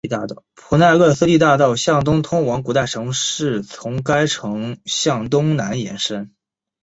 普奈勒斯蒂大道向东通往古代城市从该城向东南延伸。